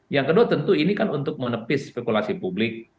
yang kedua tentu ini kan untuk menepis spekulasi publik